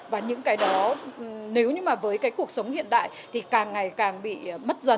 và những cái đó nếu như mà với cái cuộc sống hiện đại thì càng ngày càng bị mất